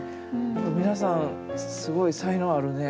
あと皆さんすごい才能あるね。